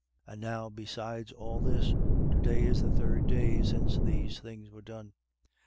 And now besides all this, to day is the third day since these things were done.